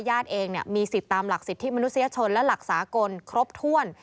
เองมีสิทธิ์ตามหลักสิทธิมนุษยชนและหลักสากลครบถ้วน